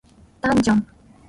ダンジョン